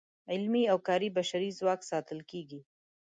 علمي او کاري بشري ځواک ساتل کیږي.